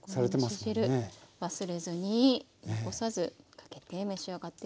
この蒸し汁忘れずに残さずかけて召し上がって下さい。